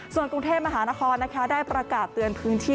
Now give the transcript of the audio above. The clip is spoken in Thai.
ส่วนกรุงเทพมหานครได้ประกาศเตือนพื้นที่